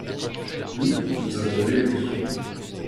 nous, nous avons eu aimé.